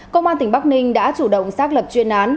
công an tỉnh bắc ninh đã chủ động xác lập chuyên án